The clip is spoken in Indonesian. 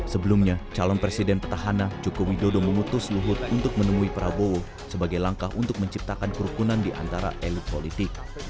sebelumnya calon presiden petahana jokowi dodo mengutus luhut untuk menemui prabowo sebagai langkah untuk menciptakan kerukunan di antara elit politik